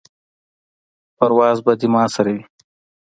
پرواز به دې ما سره وي.